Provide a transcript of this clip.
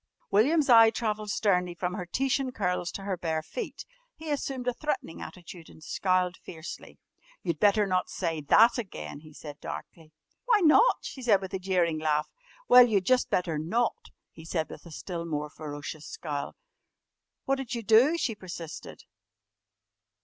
William's eye travelled sternly from her Titian curls to her bare feet. He assumed a threatening attitude and scowled fiercely. "You better not say that again," he said darkly. "Why not?" she said with a jeering laugh. "Well, you'd just better not," he said with a still more ferocious scowl. "What'd you do?" she persisted.